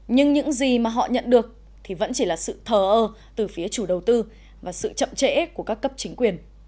nhưng những gì mà họ nhận được thì vẫn chỉ là sự thờ ơ từ phía chủ đầu tư và sự chậm trễ của các cấp chính quyền